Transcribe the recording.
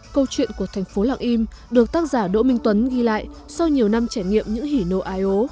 câu chuyện của thành phố lạng yên được tác giả đỗ minh tuấn ghi lại sau nhiều năm trải nghiệm những hỉ nô ai ố